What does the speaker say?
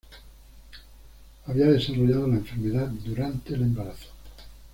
Había desarrollado la enfermedad durante el embarazo.